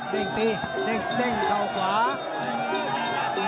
เด้งตีเด้งเข่าขวา